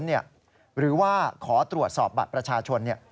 หรือว่าขอตรวจสอบบัตรประชาชน